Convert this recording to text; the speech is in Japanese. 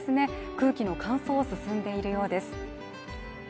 空気の乾燥進んでいるようです